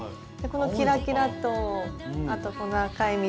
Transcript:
このキラキラとあとこの赤い実と。